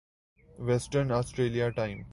western Australia time